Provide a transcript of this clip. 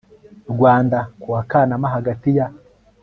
Rwanda ku wa Kanama hagati ya